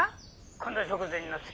こんな直前になって。